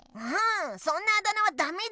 そんなあだ名はダメです！